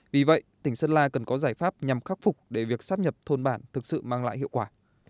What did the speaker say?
vì vậy tỉnh sơn la cần có giải pháp nhằm khắc phục để việc sắp nhập thôn bản thực sự mang lại hiệu quả